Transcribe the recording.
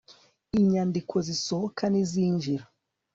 inyandiko zisohoka n izinjira